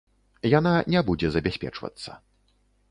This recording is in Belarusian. Яна не будзе забяспечвацца.